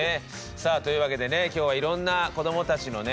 さあというわけでね今日はいろんな子どもたちのね